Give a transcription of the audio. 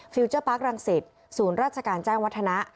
ฟิวเจอร์ปั๊กรังศิษย์ศูนย์ราชการแจ้งวัฒนา